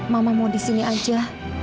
mama mau di sini aja